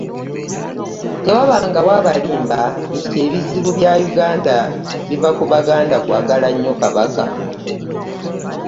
“Tewabangawo abalimba nti ebizibu bya Uganda biva ku baganda kwagala nnyo Kabaka